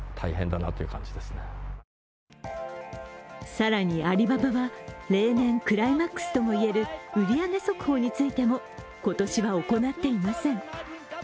更にアリババは例年、クライマックスともいえる売り上げ速報についても今年は行っていません。